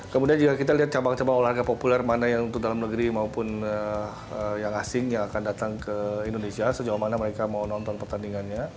kemudian juga kita lihat cabang cabang olahraga populer mana yang untuk dalam negeri maupun yang asing yang akan datang ke indonesia sejauh mana mereka mau nonton pertandingannya